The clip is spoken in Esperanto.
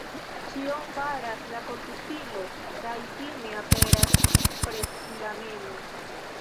Ĉion faras la komputilo kaj fine aperas preslameno.